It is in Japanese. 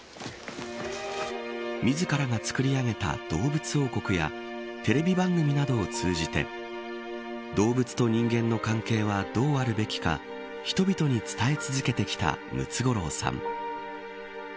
自らが作り上げた動物王国やテレビ番組などを通じて動物と人間の関係はどうあるべきか人々に伝え続けてきたムツゴロウさん。